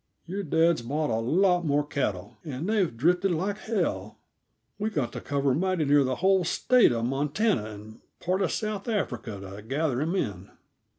Your dad's bought a lot more cattle, and they've drifted like hell; we've got to cover mighty near the whole State uh Montana and part uh South Africa to gather them in."